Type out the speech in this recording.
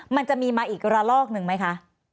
มันจะมีมาอีกระลอกหนึ่งไหมคะ